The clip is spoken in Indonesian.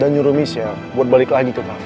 dan nyuruh michelle buat balik lagi ke cafe